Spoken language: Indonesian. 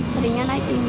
seringnya naik ini